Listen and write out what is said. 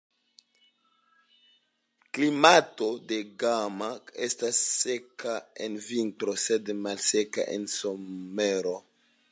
Klimato de Gama estas seka en vintro, sed malseka en somero.